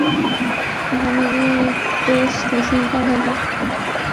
وہاں میر ایک دوست وسیم کا گھر ہے